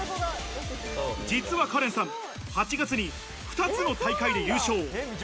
実はカレンさん、８月に２つの大会で優勝。